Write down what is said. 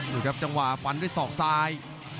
ดูครับจังหวะฟันด้วยศอกซ้าย